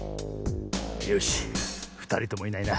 よしふたりともいないな。